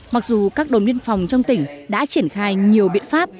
mặc dù các đội miệng phòng trong tỉnh đã triển khai nhiều biện pháp